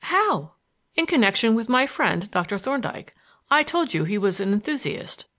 "How?" "In connection with my friend, Doctor Thorndyke. I told you he was an enthusiast.